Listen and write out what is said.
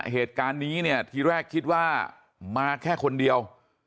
เหตุการณ์นี้เนี่ยทีแรกคิดว่ามาแค่คนเดียว